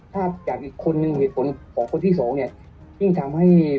ถ้าจากอีกคนนึงเหตุผลของคนที่สองเนี่ยยิ่งทำให้